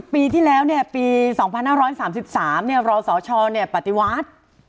๓๐ปีที่แล้วเนี่ยปี๒๕๓๓เรารอโสชปฏิวัติ